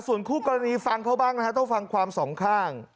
ส่วนคู่กรณีฟังเขาบ้างนะฮะต้องฟังความสองข้าง